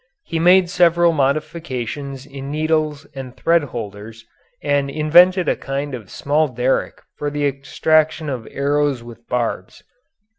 He made several modifications in needles and thread holders and invented a kind of small derrick for the extraction of arrows with barbs.